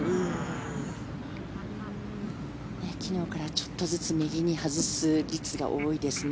昨日からちょっとずつ右に外す率が高いですね。